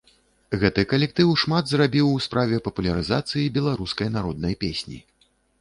Гэты калектыў шмат зрабіў у справе папулярызацыі беларускай народнай песні.